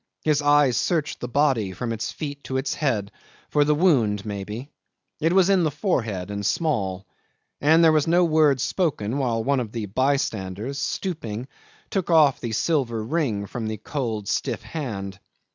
His eyes searched the body from its feet to its head, for the wound maybe. It was in the forehead and small; and there was no word spoken while one of the by standers, stooping, took off the silver ring from the cold stiff hand.